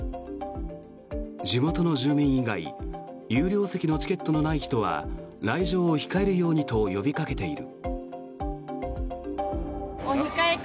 地元の住民以外有料席のチケットのない人は来場を控えるようにと呼びかけている。